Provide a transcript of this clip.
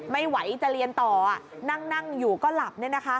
ไม่ไหวจะเรียนต่อนั่งอยู่ก็หลับ